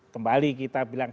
kembali kita bilang